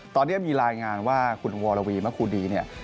ตอนนี้มีรายงานว่าคุณวรวีมะคูดีเนี่ย